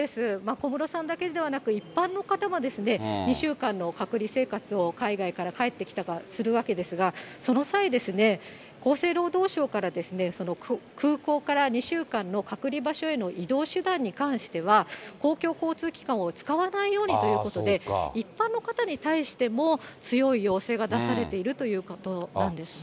小室さんだけではなく、一般の方も、２週間の隔離生活を海外から帰ってきたらするわけですが、その際、厚生労働省から、空港から２週間の隔離場所への移動手段に関しては、公共交通機関を使わないようにということで、一般の方に対しても強い要請が出されているということなんですね。